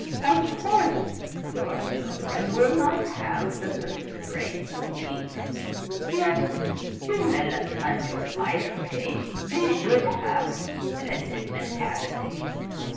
Of course, your children will not have the perfect brains of these, yet, developed under the Life Ray, they should have splendid mentality.